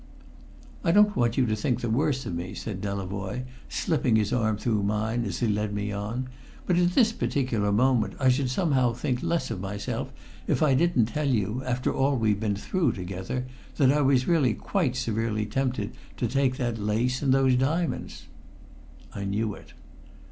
"I don't want you think the worse of me," said Delavoye, slipping his arm through mine as he led me on: "but at this particular moment I should somehow think less of myself if I didn't tell you, after all we've been through together, that I was really quite severely tempted to take that lace and those diamonds!" I knew it.